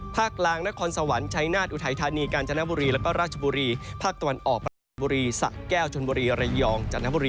ภาคล้างนครสวรรค์ชายนาฏอุทัยธานีกาญจนบุรีแล้วก็ราชบุรี